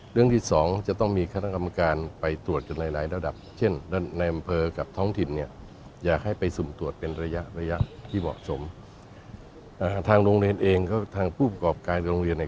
เรื่องที่๒จะต้องมีคัทกรรมการ